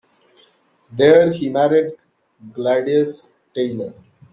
There he married Gladys Tayler.